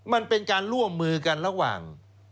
มันเป็นการร่วมมือกันระหว่าง